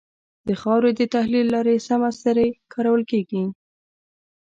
د خاورې د تحلیل له لارې سمه سري کارول کېږي.